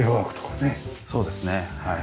そうですねはい。